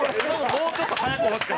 もうちょっと早くですか？